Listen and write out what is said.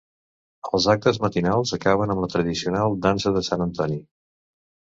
Els actes matinals acaben amb la tradicional Dansa de Sant Antoni.